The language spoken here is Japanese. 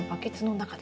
中で。